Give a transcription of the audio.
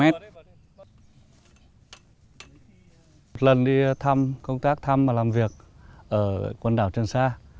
một lần đi thăm công tác thăm và làm việc ở quần đảo trần sa